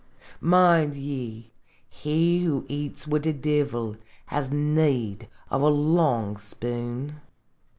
Mind ye, he who eats wid the Divil has need of a long spoon